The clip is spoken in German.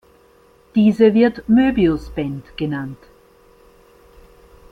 Diese wird Möbiusband genannt.